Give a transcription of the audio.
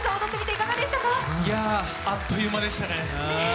いやー、あっという間でしたね。